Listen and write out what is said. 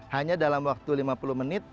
hanya dalam waktu lima puluh menit